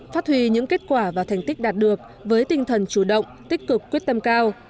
phát huy những kết quả và thành tích đạt được với tinh thần chủ động tích cực quyết tâm cao